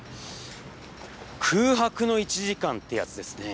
空白の１時間ってやつですねぇ。